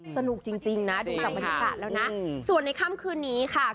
สนุกจริงน่ะดูจากมหาธิษฎะส่วนในขั้มคืนนี้ค่ะ